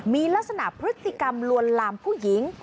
มีลักษณะพฤติกรรมลวนลามผู้หญิง